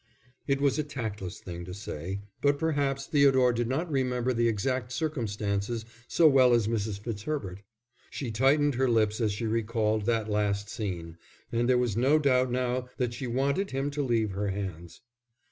It was a tactless thing to say, but perhaps Theodore did not remember the exact circumstances so well as Mrs. Fitzherbert. She tightened her lips as she recalled that last scene, and there was no doubt now that she wanted him to leave her hands.